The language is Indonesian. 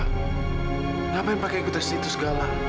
kenapa gak mau ikut tes itu segala